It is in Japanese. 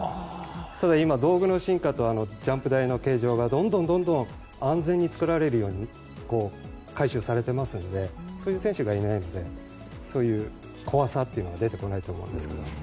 ただ今、道具の進化とジャンプ台の形状がどんどん安全に作られるように改修されていますのでそういう選手がいないのでそういう怖さというのは出てこないと思います。